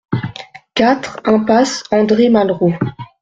quatre impasse André Malraux